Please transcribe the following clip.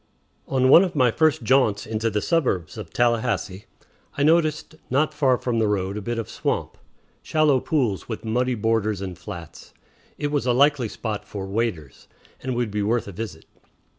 On one of my first jaunts into the suburbs of Tallahassee I noticed not far from the road a bit of swamp, shallow pools with muddy borders and flats. It was a likely spot for "waders," and would be worth a visit.